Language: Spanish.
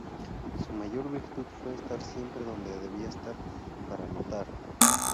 Su mayor virtud fue estar siempre donde debía estar para anotar.